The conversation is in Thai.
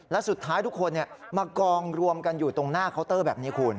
และสุดท้ายทุกคนมากองรวมกันอยู่ตรงหน้าเคาน์เตอร์แบบนี้คุณ